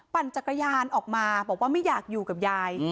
ปั่นจักรยานออกมาบอกว่าไม่อยากอยู่กับยาย